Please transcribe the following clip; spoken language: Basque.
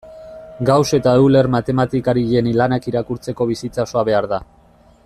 Gauss eta Euler matematikarien lanak irakurtzeko bizitza osoa behar da.